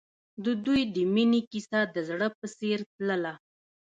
د دوی د مینې کیسه د زړه په څېر تلله.